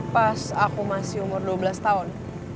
pas aku masih umur dua belas tahun